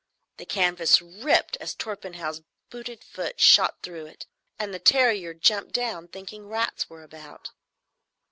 The canvas ripped as Torpenhow's booted foot shot through it, and the terrier jumped down, thinking rats were about.